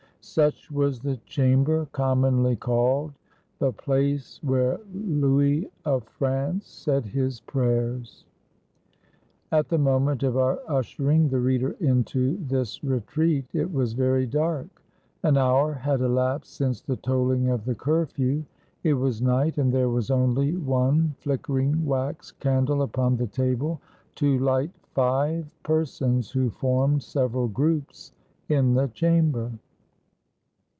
Such was the chamber commonly called "The place where Louis of France said his prayers." At the moment of our ushering the reader into this retreat it was very dark. An hour had elapsed since the tolling of the curfew^; it was night, and there was only one flickering wax candle upon the table, to light five persons who formed several groups in the chamber.